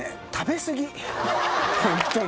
ホントに。